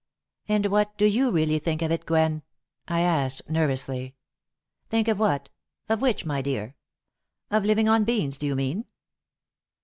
"And what do you really think of it, Gwen?" I asked, nervously. "Think of what, of which, my dear? Of living on beans, do you mean?"